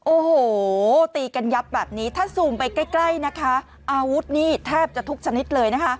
โอ้โหตีกันยับแบบนี้ถ้าซูมไปใกล้ใกล้นะคะอาวุธนี่แทบจะทุกชนิดเลยนะคะ